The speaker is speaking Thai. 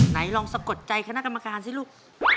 ไหนลองสะกดใจคณะกรรมการสิลูก